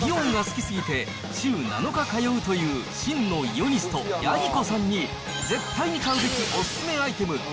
イオンが好きすぎて週７日通うという真のイオニスト、ヤギコさんに、絶対に買うべきお勧めアイテム